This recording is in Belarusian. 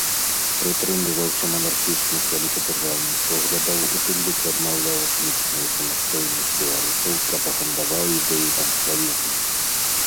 Прытрымліваўся манархічных вялікадзяржаўных поглядаў, у тым ліку адмаўляў этнічную самастойнасць беларусаў, прапагандаваў ідэі панславізму.